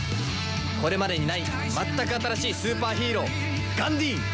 これまでにない全く新しいスーパーヒーローガンディーン！